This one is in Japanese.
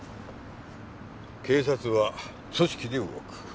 警察は組織で動く。